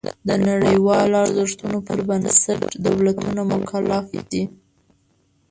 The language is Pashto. د نړیوالو ارزښتونو پر بنسټ دولتونه مکلف دي.